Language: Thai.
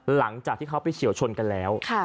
หลังจากที่เขาไปเฉียวชนกันแล้ว